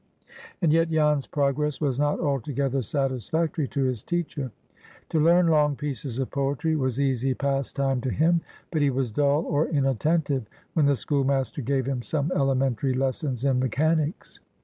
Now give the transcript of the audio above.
And yet Jan's progress was not altogether satisfactory to his teacher. To learn long pieces of poetry was easy pastime to him, but he was dull or inattentive when the schoolmaster gave him some elementary lessons in mechanics.